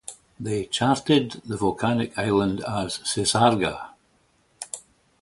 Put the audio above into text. They charted the volcanic island as "Sesarga".